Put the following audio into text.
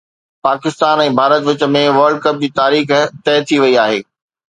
پاڪستان ۽ ڀارت وچ ۾ world cup جي تاريخ طئي ٿي وئي آهي